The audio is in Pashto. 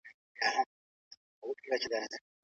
زه لا تر اوسه ژوندی یم.